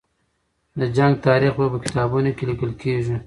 د جنګ تاریخ به په کتابونو کې لیکل کېږي.